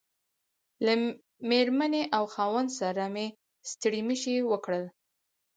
له مېرمنې او خاوند سره مې ستړي مشي وکړل.